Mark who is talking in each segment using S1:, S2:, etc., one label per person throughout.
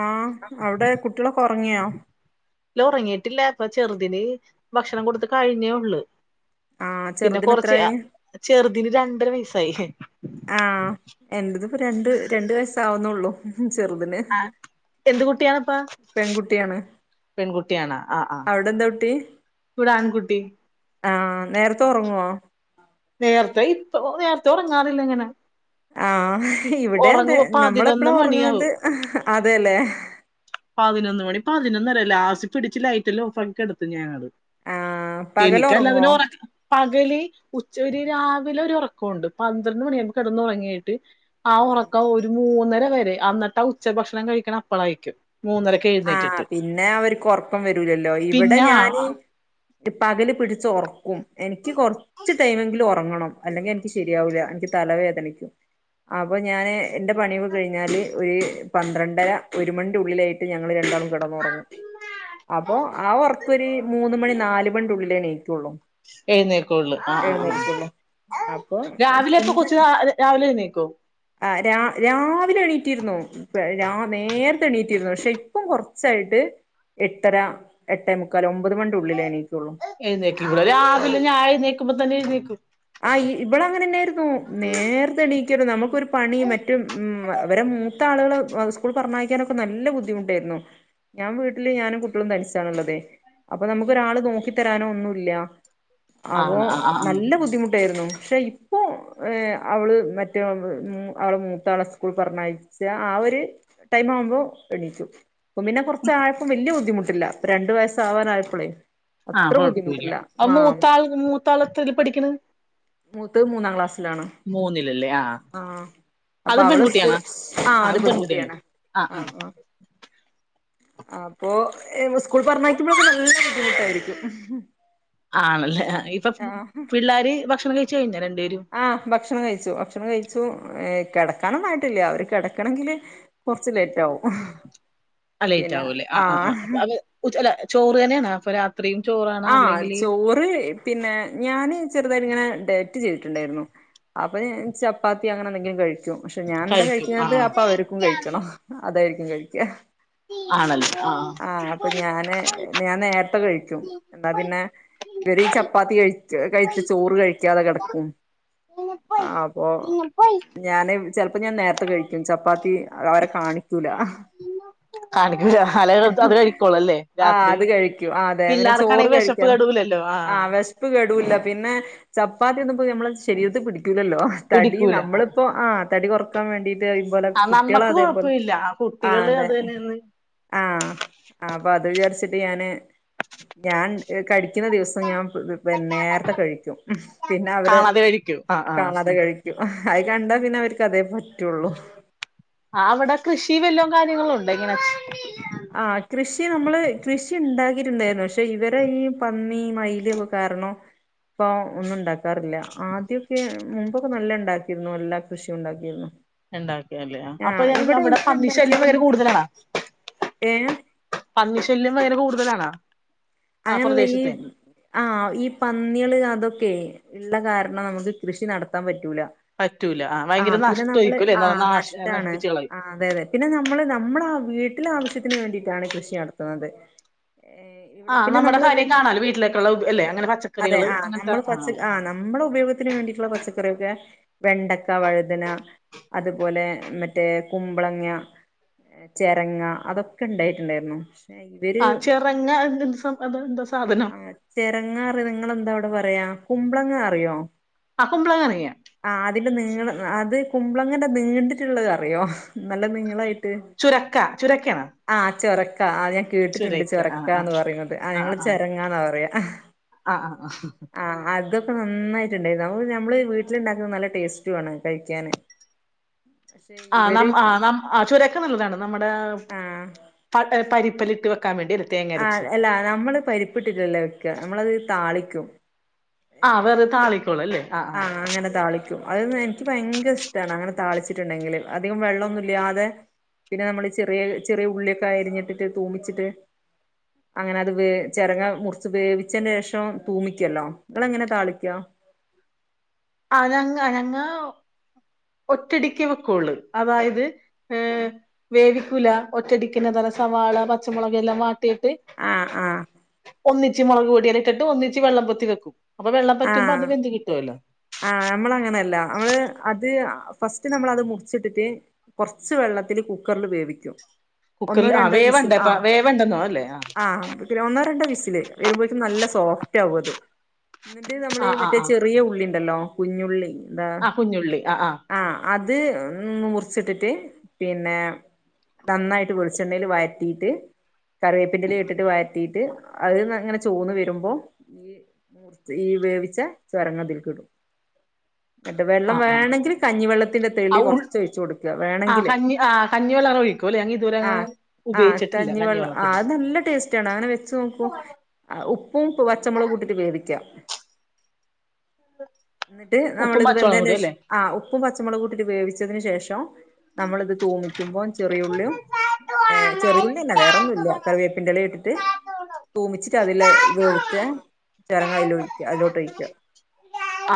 S1: ആഹ് അവ്ടെ കുട്ട്യേളൊക്കെ ഒർങ്ങ്യോ
S2: ഇല്ല ഒറെങ്ങിയിട്ടില്ലാ ഇപ്പ ചെറ്തിന് ഭക്ഷണം കൊട്ത്ത് കഴിഞ്ഞേ ഒള്ള്
S1: ആഹ്
S2: പിന്നെ
S1: ചെറുതിന്
S2: കൊറച്ച്
S1: എത്രായി
S2: അ ചെർതിന് രണ്ടെര വെയ്സ്സായി
S1: ആഹ് എന്റെത്പ്പോ രണ്ട് രണ്ട് വയസ്സാവുന്നൊള്ളു
S2: ആഹ് എന്ത് കുട്ടിയാണ്പ്പാ
S1: പെൺകുട്ടിയാണ്
S2: പെൺകുട്ടിയാണാ ആഹ് ആഹ്
S1: അവിടെ എന്താ കുട്ടി
S2: ഇവ്ടെ ആൺകുട്ടി
S1: ആഹ് നേര്ത്തെ ഒറ്ങ്ങോ
S2: നേറ്ത്തേ ഇപ്പൊ ഒ ഒ നേറ്ത്തെ ഒറങ്ങാറില്ലെങ്ങെനെ
S1: ആഹ് ഇവിടേ അതേ
S2: പതിനൊന്ന്
S1: നമ്മളെപ്പളാ
S2: മണിയാവും
S1: ഒറ്ങ്ങ്ന്നത് അതേല്ലേ
S2: പതിനൊന്ന് മണി പതിനൊന്നര ലാസ്റ്റ് പിടിച്ച് ലൈറ്റെല്ലാം ഓഫാക്കി കെട്ത്തും ഞാനത്
S1: ആഹ് പകല്
S2: എനിക്കെല്ലാതെതിനെ
S1: ഉറങ്ങുവോ
S2: ഒറക്ക പകല് ഉച്ച ഒര് രാവിലെ ഒര് ഒറക്കോണ്ട് പന്ത്രണ്ട് മണിയാകുമ്പോ കെടെന്നൊറങ്ങീട്ട് ആ ഒറക്കം ഒരു മൂന്നെര വരേ അന്ന്ട്ടാ ഉച്ചഭക്ഷണം കഴിക്ക്ണ അപ്പളായ്രിക്കും മൂന്നെരക്ക്
S1: ആഹ് പിന്നേ അവര്ക്ക് ഒർക്കം വെരൂലല്ലോ ഇവ്ടെ
S2: പിന്നെ
S1: ഞാന് ഇ പകല് പിടിച്ച് ഒർക്കും എനിയ്ക്ക് കൊർച്ച് ടെയ്മെങ്കിലും ഒർ ർങ്ങണം അല്ലെങ്കി എനിയ്ക്ക് ശെരിയാവൂല എനിയ്ക്ക് തലവേദനിയ്ക്കും അപ്പ ഞാന് എന്റെ പണിയൊക്കെ കഴിഞ്ഞാല് ഒര് പന്ത്രണ്ടെര ഒര് മണിന്റെ ഉള്ളിലേയ് ട്ട് ഞങ്ങള് രണ്ടാളും കെടെന്നാെറങ്ങും അപ്പൊ ആ ഒർക്കൊര് മൂന്ന് മണി നാല് മണിന്റെ ഉള്ളിലേണീക്ക്യാെള്ളൂ
S2: എഴ്‌ന്നേൽക്കൊള്ള് ആഹ്
S1: അപ്പൊ
S2: രാവിലെ എപ്പൊ കൊച്ച് രാ രാവിലെ എഴ്‌ന്നേക്കോ
S1: ആഹ് രാ രാവിലെ എണീറ്റിര്ന്നും പെ രാ നേര്ത്തെ എണീറ്റിര്ന്നു പക്ഷെ ഇപ്പം കൊർച്ചായിട്ട് എട്ടെര എട്ടേ മുക്കാൽ ഒമ്പത് മണിന്റെ ഉള്ളിലേ എണീക്ക്യൊള്ളൂ
S2: എഴ്‌ന്നേക്കും ഇവര് രാവിലെ ഞാ എഴ്‌ന്നേക്കുമ്പം തന്നെ എഴ്‌ന്നേക്കും
S1: ആഹ് ഇ ഇവള് അങ്ങനെന്നേര്ന്നു നേർത്തെ എണീക്കേര്ന്ന് നമുക്കൊരു പണിം മെറ്റും ഉം വ വെരെ മൂ ത്താള്‌ള് എ സ്കൂൾ പർഞ്ഞയ്ക്കാനൊക്കെ നല്ല ബുദ്ധിമുട്ടേര്ന്നു ഞാം വീട്ട്ല് ഞാനും കുട്ട്യാേളും തനിച്ചാണ്ള്ളെ ത് അപ്പൊ നമുക്ക് ഒരാള് നോക്കി തരാനോ ഒന്നുല്ല്യാ ആവോ
S2: ആണ് ആ ആ ആ
S1: നല്ല ബുദ്ധിമു ട്ടേര്ന്നു ക്ഷെ ഇപ്പോ ഏഹ് അവള് മറ്റേ ഉം അവളെ മൂത്താളെ സ്കൂൾ പർഞ്ഞയ് ച്ച് ആ ഒര് ടൈമാവുമ്പോ എണീച്ചും ഇപ്പം പിന്നെ കൊർച്ചായപ്പം വെല്ല്യ ബുദ്ധിമുട്ടില്ല ഇപ്പ രണ്ട് വയസ്സാവാനായപ്പളേ
S2: ആഹ്
S1: അത്ര
S2: കൊഴുപ്പൂല്ല
S1: ബുദ്ധിമുട്ടില്ല
S2: അപ്പൊ
S1: ആ
S2: മൂത്താള് മൂത്താളെത്രേല് പഠിക്ക്ണ്
S1: മൂത്തെത് മൂന്നാം ക്ലാസ്സ്ലാണ്
S2: ആ
S1: ആഹ് അപ്പൊ
S2: അതും
S1: അവള്
S2: പെൺകുട്ടിയാണോ
S1: സ്കൂള് ആഹ് അത്
S2: അതും പെൺകുട്ടിയല്ലേ
S1: പെങ്കുട്ട്യാണ്
S2: ആ ആ
S1: ആഹ് ആഹ് അപ്പോ ഏ മ്മള് സ്കൂൾ പർഞ്ഞയ്ക്കുമ്പളൊക്കെ നല്ലെ ബുദ്ധിമുട്ടായിരിക്കും
S2: ആണല്ലേ ഇപ്പം
S1: ആഹ്
S2: പിള്ളാര് ഭക്ഷണം കഴിച്ച് കഴിഞ്ഞാ രണ്ട് പേരും
S1: ആഹ് ഭക്ഷണം കഴിച്ചു ഭക്ഷണം കഴിച്ചു ഏഹ് കെടെക്കാനൊന്നായിട്ടില്ല്യാ അവര് കെടെക്കെണെങ്കില് കൊർച്ച് ലേറ്റാവും
S2: ആഹ് ലെയ്റ്റാവൂലേ ആഹ് ആഹ് ആഹ് അവ് ഉച്ച അല്ല ചോറ് തന്നെയാണോ അപ്പ രാത്രിയും ചോറാ
S1: ആഹ് ചോറ് പിന്നെ ഞാന് ചെർതായിട്ട്ങ്ങെനെ ഡെയെറ്റ് ചെയ്ത്ട്ട്ണ്ടായ്ര്ന്നു അപ്പ ഞാൻ ചപ്പാത്തി അങ്ങനെന്തെങ്കിലും കഴി ക്കും പക്ഷെ ഞാൻന്താ
S2: കഴിക്കും ആ
S1: കഴിയ്ക്ക്ന്നത് അപ്പ അവര്ക്കും കഴിയ്ക്കണം അതായിരിക്കും കഴിക്ക്യാ
S2: ആണല്ലേ ആ ആ
S1: ആഹ് അപ്പ ഞാന് ഞാൻ നേര്ത്തെ കഴിയ്ക്കും ന്നാ പിന്നെ ഇവര് ഈ ചപ്പാത്തി കഴിച്ച് കഴിച്ച് ചോറ് കഴിയ്ക്കാതെ കെടെക്കും ആപ്പോ ഞാന് ചെൽപ്പം ഞാൻ നേര്ത്തെ കഴിയ്ക്കും ചപ്പാത്തി അത് അവരെ കാണിയ്ക്കൂലാ
S2: കാണിക്കൂല അല അത് കഴിക്കോളല്ലേ
S1: ആഹ്
S2: രാത്രി
S1: അത് കഴിക്കും ആതെ പിന്നെ ചോ റ്
S2: പിള്ളേർക്കാണെങ്കിൽ വിശപ്പ്
S1: കഴിക്കാന്ന്
S2: കെടൂലല്ലോ ആ
S1: ആഹ് അവ വെശ്പ് കെടൂല്ല പിന്നേ ചപ്പാത്തി ഒന്നും പി ഞമ്മളെ ശരീരത്ത് പിടിക്കൂലല്ലോ തടി
S2: പിടിക്കൂല
S1: നമ്മള്പ്പോ ആഹ് തടി കുറക്കാൻ വേണ്ടീട്ട് ഇത്പോലെ
S2: ആ
S1: കുട്ടികളേ
S2: നമ്മക്ക്
S1: അതേപോലെ
S2: കൊഴപ്പമില്ല ആ
S1: ആഹ്
S2: കുട്ടികള്
S1: അതെ
S2: അത് തന്നെന്ന്
S1: ആഹ് ആ അപ്പൊ അത് വിചാരിച്ചിട്ട് ഞാന് ഞാൻ കഴിക്കുന്ന ദിവസം ഞാൻ നേരത്തെ കഴിക്കും പിന്നെ അവര്
S2: കാണാതെ കഴിക്കും ആ ആ
S1: കാണാതെ കഴിക്കും അത് കണ്ടാ പിന്നെ അവർക്ക് അതേ പറ്റുള്ളൂ
S2: ആഹ് അവിടെ കൃഷി വല്ലോം കാര്യങ്ങളും ഉണ്ടോ ഇങ്ങനെ
S1: ആഹ് കൃഷി നമ്മള് കൃഷി ഉണ്ടാക്കിട്ടുണ്ടായിരുന്നു പക്ഷെ ഇവരെ ഈ പന്നി മയിലൊക്കെ കാരണം ഇപ്പൊ ഒന്നും ഉണ്ടാക്കാറില്ല ആദ്യമൊക്കെ മുമ്പൊക്കെ നല്ല ഉണ്ടാക്കിയിരുന്നു എല്ലാ കൃഷിയും ഉണ്ടാക്കിയിരുന്നു
S2: ഉണ്ടാക്കിയല്ലേ അപ്പൊ
S1: ആഹ്
S2: ഞാൻ
S1: ഇവിടെ
S2: അവിടെ
S1: എന്ത്
S2: പന്നി ശല്ല്യം എല്ലാം
S1: ഉണ്ടാക്കിയാലും
S2: ഭയങ്കര കൂടുതലാണോ
S1: ഏഹ്
S2: പന്നി ശല്യം ഭയങ്കര കൂടുതലാണോ
S1: അങ്ങനെയല്ല ഈ ആഹ് ഈ പന്നികള് അതൊക്കെ ഉള്ള കാരണം നമുക്ക് കൃഷി നടത്താൻ പറ്റൂല
S2: പറ്റൂല ആ ഭയങ്കര
S1: ആഹ് പിന്നെ നമ്മള്
S2: നഷ്ടമായിരിക്കുംല്ലേ
S1: ആഹ്
S2: നാശ
S1: നഷ്ടാണ്
S2: നശിപ്പിച്ച് കളയും
S1: ആഹ് അതെ അതെ പിന്നെ നമ്മള് നമ്മൾ ആ വീട്ടിലെ ആവശ്യത്തിന് വേണ്ടിയിട്ടാണ് കൃഷി നടത്തുന്നത് ഏഹ്
S2: ആ
S1: ഇവിടെ പിന്നെ
S2: നമ്മുടെ
S1: നമ്മൾ
S2: കാര്യം കാണാലോ വീട്ടിലേക്കുള്ള
S1: ആ
S2: അല്ലെ അങ്ങനെ
S1: അതെ
S2: പച്ചക്കറികള്
S1: ആഹ്
S2: അങ്ങനത്തെ
S1: നമ്മൾ
S2: ആ
S1: പച്ച ആഹ് നമ്മൾ ഉപയോഗ- ത്തിന് വേണ്ടിയിട്ടുള്ള പച്ചക്കറിയോക്കെ വെണ്ടക്ക വഴുതന അതുപോലെ മറ്റേ കുമ്പളങ്ങ ചിരങ്ങ അതൊക്കെ ഉണ്ടായിട്ടുണ്ടായിരുന്നു പക്ഷെ ഇവര്
S2: ചിരങ്ങ അത് എന്താ സാധനം
S1: ചിരങ്ങ റഞ്ഞ നിങ്ങെന്താ അവിടെ പറയാ കുമ്പ്ളങ്ങാറിയോ
S2: ആഹ് കുമ്പളങ്ങ അറിയാം
S1: ആഹ് അതിന്റെ നീ അത് കുമ്പളങ്ങ നീണ്ടിട്ടുള്ളത് അറിയോ നല്ല നീളായിട്ട്-
S2: ചുരക്ക ചുരക്കാണെ
S1: ആഹ് ചൊരക്ക ആ ഞാൻ കേട്ടിട്ടുണ്ട്
S2: ആ ആ
S1: ചൊരക്കാന്ന് പറയുന്നത് ആ ഞങ്ങള് ചരങ്ങാന്നാ പറയാ
S2: ആഹ് ആഹ് ആഹ്
S1: ആ ഹ്അതൊക്കെ നന്നായിട്ട്ണ്ടായിരുന്നു ന നമ്മള് വീട്ടിലുണ്ടാക്കുന്നത് നല്ല ടെസ്റ്റോണ് കഴിക്കാൻ [inaudible] [inaudible]
S2: ആഹ് നമ്മ നമ്മആ ഹ് ചുരക്ക നല്ലതാണ് നമ്മുടെ
S1: ആ
S2: പ പരിപ്പലിട്ട് വെക്കാൻ വേണ്ടിൽ
S1: ആ ഹ്അല്ല നമ്മള് പരിപ്പിട്ടില്ലല്ല വെക്ക നമ്മളത് താളിക്കും
S2: ആ ഹ് അതെ തെ താളിക്കോളും അല്ലേ ആ ആ
S1: ആഹ് അങ്ങനെ താളിക്കും അത് എനിക്ക് ഭയങ്കര ഇഷ്ടമാണ് അങ്ങനെ താളിച്ചിട്ടുണ്ടെങ്കിൽ അധികം വെള്ളമൊന്നുമില്ലാതെ- പിന്നെ നമ്മള് ചെറിയ ചെറിയ ഉള്ളിയൊക്കെ അരിഞ്ഞിട്ടിട്ട് തൂമിച്ചിട്ട് അങ്ങനെ അത് വേ ചിരങ്ങ മുറിച്ച് വേവിച്ചന്റെ ശേഷം തൂമിക്കല്ലോ നിങ്ങൾ എങ്ങനെ താളിക്ക-
S2: ആഹ് ഞങ്ങ ഞങ്ങ ഒറ്റയടിക്ക് വെക്കോള്ളൂ അതായത് ഏഹ് വേവിക്കുല ഒറ്റയടിക്ക്‌ തന്നെ സവാള പച്ചമുളക് എല്ലാം വാട്ടിയിട്ട്
S1: ആഹ് ആഹ്
S2: ഒന്നിച്ച് മുളക് പൊടിയിട്ട് എല്ലാം ഇട്ടിട്ടു ഒന്നിച്ച് വെള്ളം പൊത്തി വെക്കും അപ്പ വെള്ളം വറ്റുമ്പോ അത്
S1: ആഹ്
S2: വെന്തു കിട്ടുമല്ലോ
S1: ആഹ് നമ്മളങ്ങനെല്ല നമ്മള് അത് ഫസ്റ്റ് നമ്മൾ അത് മുറിച്ചിട്ടിട്ട് കുറച്ച് വെള്ളത്തിൽ കുക്കറിൽ വേവിക്കും ഒന്നോ
S2: കുക്കറിൽ ആഹ്
S1: രണ്ടോ വിസിൽ
S2: വേവണ്ടപ്പ
S1: ആഹ്
S2: വേവണ്ടെന്നോ അല്ലേ ആഹ്
S1: ആഹ് ഒന്നോ രണ്ടോ വിസില് വരുമ്പോഴേക്കും നല്ല സോഫ്റ്റ് ആകും അത് എന്നിട്ട് നമ്മള്
S2: ആ ആ
S1: മറ്റേ
S2: ആ
S1: ചെറിയ ഉള്ളി ഉണ്ടല്ലോ കുഞ്ഞുള്ളി എന്താ
S2: ആഹ് കുഞ്ഞുള്ളി ആഹ് ആഹ്
S1: ആഹ് അത് മുറിച്ചിട്ടിട്ട് പിന്നെ നന്നായിട്ട് വെളിച്ചെണ്ണേല് വഴറ്റീട്ട് കറിവേപ്പിൻന്റെല ഇട്ടിട്ട് വഴറ്റീട്ട് അത് അങ്ങനെ ചോന്നു വരുമ്പോ ഈ മൂർ ഈ വേവിച്ച ചുരങ്ങ ഇതിൽക്കിടും ന്നട്ട്
S2: ആ
S1: വെള്ളം
S2: ആ
S1: വേണങ്കിൽ കഞ്ഞിവെള്ളത്തിന്റെ തെളി കൊറച്ചൊഴിച്ച് കൊടുക്ക വേണ
S2: ആഹ് കഞ്ഞി ആഹ് കഞ്ഞിവെള്ളറോഴി
S1: ആഹ് ആഹ് കഞ്ഞിവെള്ളം
S2: കഞ്ഞിവെള്ളത്തിന്റെ
S1: അഹ് നല്ല ടേസ് റ്റാണ്. അങ്ങനെ വെച്ച് നോക്കൂ. ആഹ് ഉപ്പും പച്ചമൊളകൂട്ടിട്ട് വേവിക്കാ.
S2: [inaudible]
S1: ന്നിട്ട്
S2: ഉപ്പും
S1: നമ്മളിത്
S2: പച്ചവെള്ളം കൂടി അല്ലേ
S1: വെന്തേൻ്റേഷം ആഹ് ഉപ്പും പച്ചമൊളകൂട്ടിട്ട് വേവിച്ചതിന് ശേഷം നമ്മളിത് തൂമിക്കുമ്പോം ചെറിയുള്ള്യൂം ഏഹ് ചെറിയുള്ള്യന്നെ വേറൊന്നുല്ല. കറിവേപ്പിൻ്റെലേ ഇട്ടിട്ട് തൂമിച്ചിട്ട് അതില് ഇതൊഴിക്കാ. ചെരങ്ങ അയില് ഒഴിക്ക അയിലോട്ടൊഴിക്ക.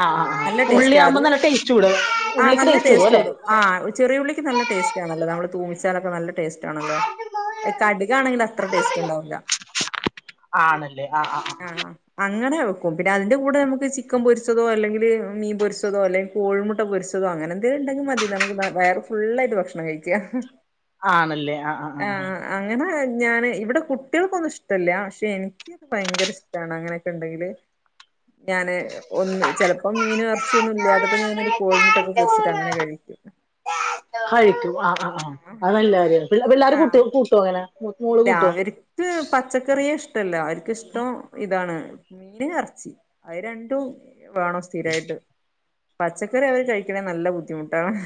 S2: ആഹ് ആഹ് ആഹ് ഉള്ള്യാവുമ്പോ
S1: അത്
S2: നല്ല ടേസ്റ്റൂടും ഉള്ളിക്ക് ടേസ്റ്റൂടും അല്ലേ?
S1: ആഹ് ചെറ്യേ ഉള്ളിക്ക് നല്ല ടേസ്റ്റ് ആണല്ലോ. നമ്മള് തൂമിച്ചാലൊക്കെ നല്ല ടേസ്റ്റാണല്ലോ. ഏഹ് കടുകാണെങ്കി അത്ര ടേസ്റ്റ്ണ്ടാവൂല.
S2: ആണല്ലേ? ആഹ് ആഹ്
S1: ആ
S2: ആഹ്.
S1: അങ്ങനെ വെക്കും. പിന്നെ അത്ൻ്റെ കൂടെ നമ്മക്ക് ചിക്കൻ പൊരി ച്ചതോ അല്ലെങ്കീല് മീൻ പൊരിച്ചതോ അല്ലെങ്കി കോഴിമുട്ട പൊരിച്ചതോ അങ്ങനെന്തെങ്കിലുണ്ടെങ്കി മതി നമ്മക്ക് വേറെ ഫുള്ളായിട്ട് ഭക്ഷണം കഴിക്കാ.
S2: ആണല്ലേ? ആഹ് ആഹ് ആഹ് ആഹ്.
S1: അങ്ങനെ ഞാന് ഇവടെ കുട്ട്യേൾക്കൊന്നും ഇഷ്ടല്ല്യ. പക്ഷെ എനിക്ക് പയങ്കര ഇഷ്ടാണ് അങ്ങനൊക്കെണ്ടെങ്കില് ഞാന് ഒന്ന്. ചെലപ്പം മീനും എർച്ചിയൊന്നുല്ല്യാത്തപ്പോ ഞാനൊരു കോഴ്മുട്ടൊക്കെ പൊര്ച്ചിട്ട് അങ്ങനെ കഴിക്കും.
S2: കഴിക്കും ആഹ് ആഹ് ആഹ്, അത് നല്ല കാര്യാ പി പിള്ളോര് കൂട്ട്
S1: ആഹ്
S2: കൂട്ടോങ്ങനെ?
S1: ഇല്ല അവര്ക്ക് പച്ചക്കറിയേ ഇഷ്ടല്ല. അവര്ക്ക്ഷ്ടം ഇതാണ് മീന്, എർച്ചി അയ് രണ്ടും വേണം സ്ഥിരായ്ട്ട്. പച്ചക്കറി അവര് കഴിക്ക്ണേ നല്ല ബുദ്ധിമുട്ടാ ആഹ്.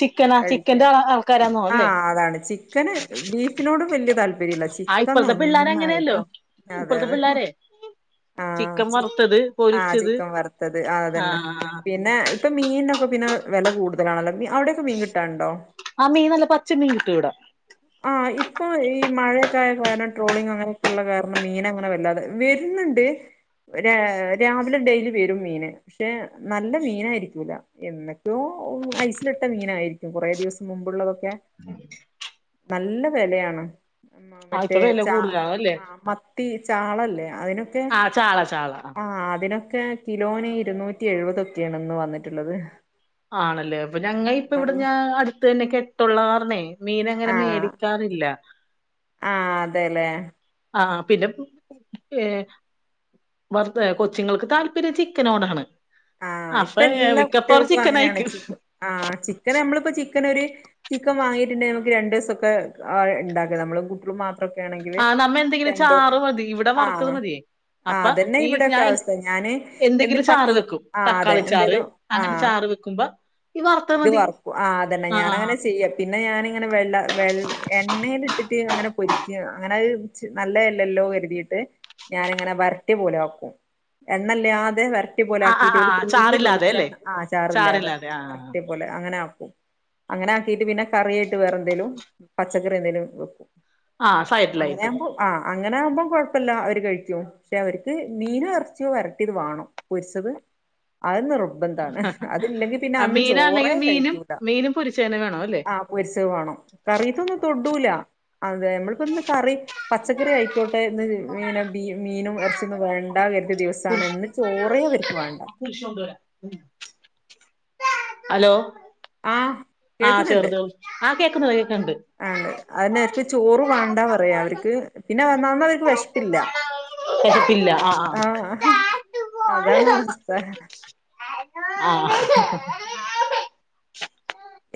S2: ചിക്കനാ ചിക്കന്റെ
S1: കഴിക്കണ്,
S2: ആൾക്കാരാന്നോ അല്ലേ
S1: ആഹ് അതാണ് ചി ണ് ബീഫിനോടും വല്ല്യ താല്പര്യംല്ല്യ
S2: ആ
S1: ചിക്കൻ
S2: ഇപ്പഴത്തെ പിള്ളേര്
S1: നന്നായിട്ട്.
S2: അങ്ങനെയല്ലോ
S1: ആഹ് അതെ
S2: ഇപ്പഴത്തെ
S1: അതെ ഹാ.
S2: [inaudible]
S1: ആഹ്
S2: ചിക്കൻ
S1: ചി
S2: വറുത്തത്
S1: ആഹ്
S2: പൊരിച്ചത്
S1: ചിക്കൻ വർത്തത് ആഹ് അതന്നെ
S2: ആ
S1: പിന്നെ ഇപ്പ മീൻനൊക്കെ പിന്നെ വെല കൂട്തലാണല്ലോ. മി അവിട്യൊക്കെ മീൻ കിട്ടാണ്ടോ?
S2: ആഹ് മീൻ നല്ല പച്ച മീൻ കിട്ടൂ ഇവടെ.
S1: ആഹ് ഇപ്പോ ഈ മഴയൊക്കെ ആയ കാരണം ട്രോളിങ് അങ്ങനൊക്കെള്ള കാരണം മീനങ്ങനെ വല്ലാതെ വെര്ന്ന്ണ്ട് രാ രാവിലെ ഡെയ്ലി വെരും മീന്. പക്ഷേ നല്ല മീനായിരിക്കൂല. എന്നൊക്ക്യോ ഓ ഐസില്ട്ട മീനായിരിക്കും കൊറേ ദിവസം മുമ്പ്ള്ളതൊക്കെ
S2: [inaudible]
S1: നല്ല വെലയാണ്. മ
S2: ആ ഇപ്പൊ
S1: മറ്റേ
S2: വില
S1: ചാ
S2: കൂടുതലാണ് അല്ലേ
S1: ആഹ് മത്തി ചാളല്ലേ അതിനൊക്കെ
S2: ആ ചാള ചാള ആ
S1: ആഹ് അതിനൊക്കെ കിലോന് ഇരുന്നൂറ്റി എഴുപതൊക്ക്യണ് ഇന്ന് വന്നിട്ട്ള്ളത്.
S2: ആണല്ലേ? അപ്പ ഞങ്ങൾ ഇപ്പ ഇവിട്ഞാ അടുത്ത് തന്നെ കെട്ടുള്ള കാരണേ മീനങ്ങനെ മേടിക്കാറില്ല.
S1: ആഹ് അതേലേ.
S2: ആഹ് പിന്നെ ഏഹ് വറ്ത്തേ കൊച്ച്ങ്ങൾക്ക് താല്പര്യം ചിക്കനോടാണ്.
S1: ആഹ് ഇപ്പ
S2: അഫേ
S1: എല്ലാ
S2: മിക്കപ്പോറും
S1: കുട്ടികൾക്കും അങ്ങനെയാണ്
S2: ചിക്കനായിക്കും.
S1: ചിക്കൻ ആഹ് ചിക്കന് അമ്മളിപ്പോ ചിക്കനൊര് ചിക്കൻ വാങ്ങീട്ട്ണ്ടേ നമ്മക്ക് രണ്ടോസൊക്കെ ആഹ് ഇണ്ടാക്കാ. നമ്മളും കുട്ടുളും മാ
S2: ആഹ് നമ്മ എന്തെങ്കിലും ചാറ് മതി ഇവടെ വറുത്തത്
S1: ആഹ്
S2: മത്യേ
S1: ആഹ്
S2: അപ്പ
S1: അതന്നെ
S2: ഈ
S1: ഇവിടെയൊക്കെ
S2: ഞാൻ
S1: അവസ്ഥ ഞാന് എന്ത്
S2: എന്തെങ്കിലും ചാറ്
S1: പച്ച
S2: വെക്കും
S1: ആഹ് അതെ
S2: തക്കാളി ചാറ്
S1: എന്തേലും
S2: അങ്ങനെ
S1: ആഹ്
S2: ചാറ് വെക്കുമ്പ
S1: ഇത് വറക്കും ആഹ് അത് തന്നെ ഞാൻ
S2: ആ
S1: അങ്ങനെയാ ചെയ്യാ പിന്നെ ഞാനിങ്ങനെ വെള്ള വെ എണ്ണൽ ഇട്ടിട്ട് അങ്ങനെ പൊരിക്ക അങ്ങനെ നല്ല അല്ലല്ലോ കരുതിയിട്ട് ഞാനിങ്ങനെ വരട്ടി പോലെ ആക്കും എണ്ണ ഇല്ലാതെ വരട്ടി പോലെ
S2: ആ ആ
S1: ആക്കിട്ട്
S2: ആ
S1: ഒരു തുള്ളി
S2: ചാറില്ലാതെ അല്ലേ
S1: വെളിച്ചെണ്ണ ആ ചാറില്ലാതെ വരട്ടിയ പോലെ അങ്ങനെ ആക്കും അങ്ങനെ ആക്കീട്ട് പിന്നെ കറി ആയിട്ട് വേറെ എന്തേലും പച്ചക്കറി എന്തേങ്കലും വെക്കും
S2: ആ
S1: അങ്ങനെ
S2: സൈഡിലായിട്ട്
S1: ആവുമ്പോ ആഹ് അങ്ങനെ ആകുമ്പോം കൊഴപ്പമില്ല അവർ കഴിക്കും പക്ഷെ അവർക്ക് മീനോ എറച്ചിയോ വരട്ടിയത് വേണം പെരിച്ചത് അത് നിർബന്ധാണ് അതില്ലെങ്കിൽ പിന്നെ അന്ന് ചോ
S2: ഇന്ന് ആണെങ്കിൽ മീനും മീനും പൊരിച്ചത്‌ തന്നെ വേണോ അല്ലേ
S1: ആ പൊരിച്ചത് വേണം കറി ഐറ്റം ഒന്നും തൊടൂല അതെ നമ്മളിപ്പോന്ന് കറി പച്ചക്കറി ആയിക്കോട്ടെ ഇന്ന് മീനുമീനും എറച്ചി ഇന്ന് വേണ്ടന്ന് വച്ച ദെവസ ആണ് ഇന്ന് ചോറെ അവര്ക്ക് വേണ്ട
S2: കുരുശ് കൊണ്ട് വരാം ഹലോ
S1: ആഹ്
S2: ആഹ്
S1: കേൾക്കുന്നുണ്ട്
S2: ചെറുത് ആ കേക്കുന്നു കേക്കുന്നുണ്ട്
S1: ആണ്ട് അതിനെ അവർക്ക് ചോറ് വേണ്ടാ പറയാ അവർക്ക് പിന്നെ അവർക്ക് വിശപ്പില്ല
S2: വേശപ്പില്ല ആഹ് ആഹ്
S1: ആ [unintelligible] അതാണ് അവസ്ഥ
S2: ആഹ [unintelligible]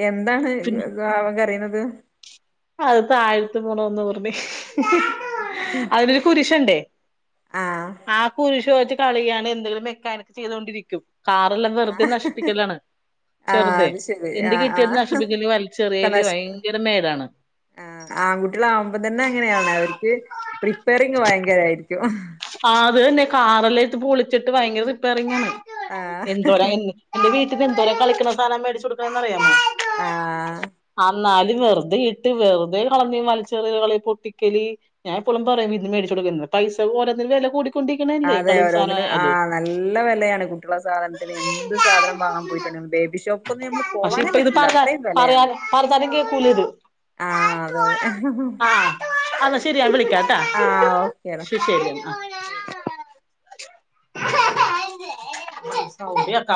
S1: എന്താണ്
S2: പിന്നെ
S1: അവൻ കരയണത്
S2: അത് താഴത്ത് പോണോന്ന് പറഞ്ഞ്
S1: ആഹ ഉ [unintelligible]
S2: അതിൽ ഒരു കുരുശു ഉണ്ടേ ആ കുരിശ് മാറ്റി കളിയാണ് എന്തെങ്കിലും മെക്കാനിക്ക് ചെയ്തൊണ്ടിരിക്കും കാറ് ഉള്ളത് വെറുതെ നശിപ്പിക്കലാണ്
S1: ആഹ്
S2: ചെറുതെ
S1: അത് ശരി
S2: എന്ത്
S1: ആഹ്
S2: കിട്ടിയത്
S1: ആഹ്
S2: നശിപ്പിക്കല് വലിച്ച് എറിയല് ഭയങ്കര മേടാണ്
S1: ആ ആൺകുട്ടികള് ആവുമ്പോ തന്നെ അങ്ങനെയാണ് അവർക്ക് റിപ്പയറിങ് ഭയങ്കരായിരിക്കും
S2: ആഹ് അത് തന്നെ കാറ്എല്ലാം പൊളിച്ചിട്ട് ഭയങ്കര റിപ്പയറിങ്ങ് ആണ്
S1: ആഹ്
S2: എന്തോ എന്റെ വീട്ടല് എന്തോരം കളിക്കണ സാധനം മേടിച്ചു കൊടുക്കണന്ന് അറിയാമോ
S1: ആഹ്
S2: ആ എന്നാലും വെറുതെ ഇട്ട് വെറുതെ കളഞ് വലിച്ചെറിഞ്ഞു കളഞ് പൊട്ടിക്കല് ഞാൻ എപ്പോഴും പറയും ഇത് മേടിച്ച് കൊടുക്കുരുതെന്ന് പൈസ ഓരോന്നിനു വെല കൂടി
S1: അതെ ഓരോന്നിനും ആ നല്ല വെലയാണ് കുട്ടികളെ സാധനത്തിന് എന്ത് സാധനം വാങ്ങാൻ പോയിട്ടുണ്ട് ബേബി ബിഷോപ്പന്ന് നമ്മള്
S2: പക്ഷെ
S1: പോവാനേ
S2: ഇപ്പൊ ഇത്
S1: പറ്റൂല
S2: പറഞ്ഞ
S1: അത്രയും വെലയാണ്
S2: പറയാൻ പറഞ്ഞാലും കേക്കൂല ഇത്
S1: ആഹ് അതെ അതെ
S2: അപ്പോ ശരി ഞാൻ വിളിക്കാ
S1: ആഹ് ഓക്കെടെ ശരി
S2: സൗണ്ട് കേക്കാം